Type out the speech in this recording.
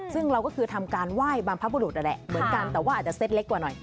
ซึ่งเราก็คือทำการไหว้บรรพบุรุษนั่นแหละเหมือนกันแต่ว่าอาจจะเซ็ตเล็กกว่าหน่อย